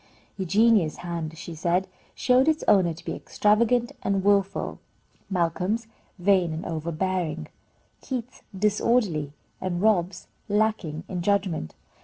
Eugenia's hand, she said, showed its owner to be extravagant and wilful; Malcolm's, vain and overbearing; Keith's, disorderly; and Rob's, lacking in judgment.